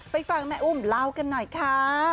ฟังแม่อุ้มเล่ากันหน่อยค่ะ